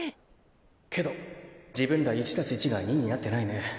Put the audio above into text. けど自分ら１足す１が２になってないね。